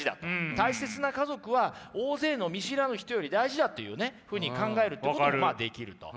大切な家族は大勢の見知らぬ人より大事だというふうに考えるということもまあできると。